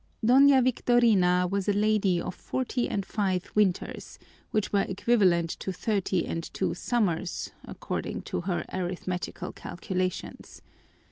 Doña Victorina was a lady of forty and five winters, which were equivalent to thirty and two summers according to her arithmetical calculations.